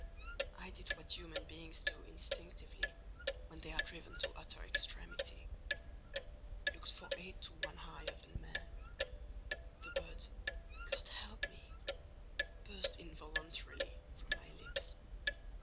I did what human beings do instinctively when they are driven to utter extremity—looked for aid to one higher than man: the words "God help me!" burst involuntarily from my lips.